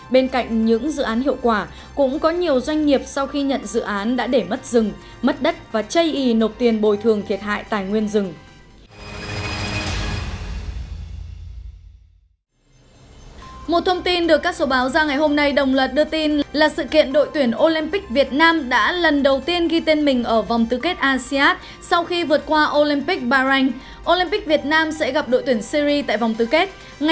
bên cạnh những dự án hiệu quả cũng có nhiều doanh nghiệp sau khi nhận dự án đã để mất rừng mất đất và chây ý nộp tiền bồi thường thiệt hại tài nguyên rừng